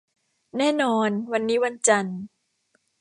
แน่นอน วันนี้วันจันทร์